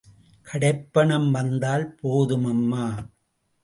கடைப் பணம் வந்தால் போதும்மா.